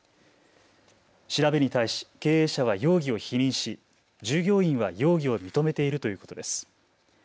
調べに対し経営者は容疑を否認し、従業員は容疑を認めているということです。